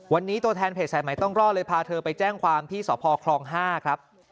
วันนี้ตัวแทนเพจสายใหม่ต้องรอดเลยพาเธอไปแจ้งความที่สพคลอง๕ครับ